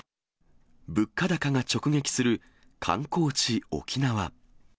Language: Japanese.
物価高が直面する観光地、沖縄。